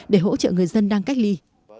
để hỗ trợ người dân đang cách ly